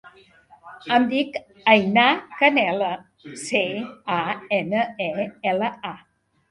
Em dic Einar Canela: ce, a, ena, e, ela, a.